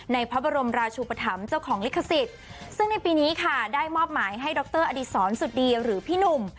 ในพระบรมราชุปธรรมเจ้าของลิขสิทธิ์ซึ่งในปีนี้ค่ะได้มอบหมายให้ดรอดีศรสุดดีหรือพี่หนุ่ม